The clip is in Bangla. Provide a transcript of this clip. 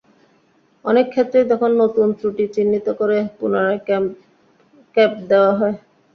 অনেক ক্ষেত্রেই তখন নতুন ত্রুটি চিহ্নিত করে পুনরায় ক্যাপ দেওয়া হয়।